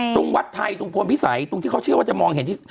ตรงวัดไทยตรงพลพิสัยตรงที่เขาเชื่อว่าจะมองเห็นที่